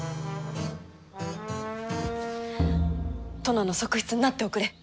殿の側室になっておくれ。